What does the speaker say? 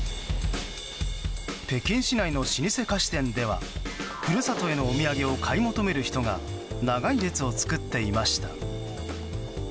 北京市内の老舗菓子店では故郷へのお土産を買い求める人が長い列を作っていました。